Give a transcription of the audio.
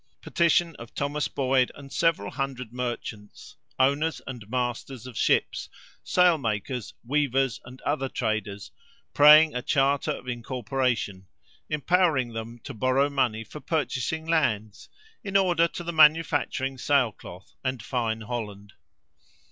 Petition of Thomas Boyd and several hundred merchants, owners and masters of ships, sail makers, weavers, and other traders, praying a charter of incorporation, empowering them to borrow money for purchasing lands, in order to the manufacturing sail cloth and fine holland.